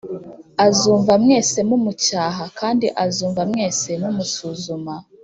Azumva mwese mumucyaha a kandi azumva mwese mumusuzuma